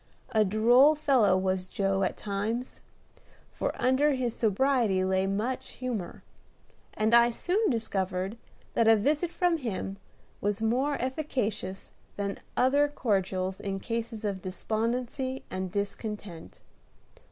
A droll fellow was Joe at times, for under his sobriety lay much humor; and I soon discovered that a visit from him was more efficacious than other cordials in cases of despondency and discontent.